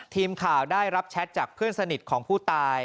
ทีมข่าวได้รับแชทจากเพื่อนสนิทของผู้ตาย